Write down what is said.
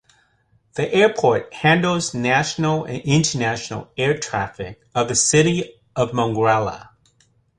The airport handles national and international air traffic of the city of Morelia.